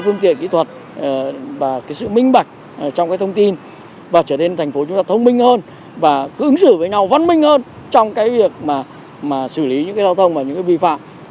phương tiện kỹ thuật và cái sự minh bạch trong cái thông tin và trở nên thành phố chúng ta thông minh hơn và ứng xử với nhau văn minh hơn trong cái việc mà xử lý những cái giao thông và những cái vi phạm